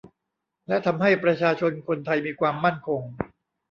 และทำให้ประชาชนคนไทยมีความมั่นคง